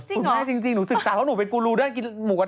ผมไม่จริงสึกศึกษาโหผมเป็นกูรูด้านกินหมูกระทะ